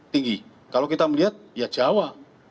tinggi kalau kita melihat ya jawa